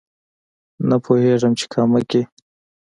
نه پوهېږم چې کامه کې